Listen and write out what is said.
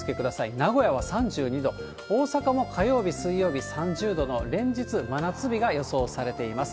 名古屋は３２度、大阪も火曜日、水曜日、３０度の連日真夏日が予想されています。